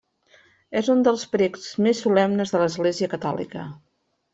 És un dels precs més solemnes de l'Església catòlica.